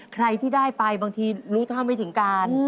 ใครที่ได้ไปบางทีรู้เท่าไม่ถึงการ